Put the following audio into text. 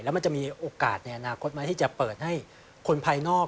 แล้วมันจะมีโอกาสในอนาคตไหมที่จะเปิดให้คนภายนอก